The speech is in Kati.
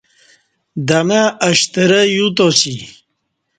دمہ ا شترہ یوتاسی